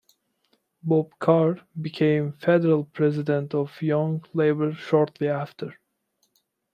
Bob Carr became Federal President of Young Labor shortly after.